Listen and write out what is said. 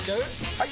・はい！